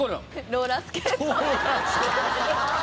ローラースケート。